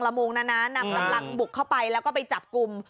ลักบุกเข้าไปแล้วก็ไปจับกลุ่ม